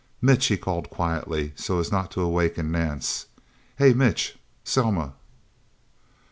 "Mitch!" he called quietly, so as not to awaken Nance. "Hey, Mitch...! Selma...!"